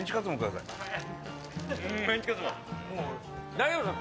大丈夫ですか？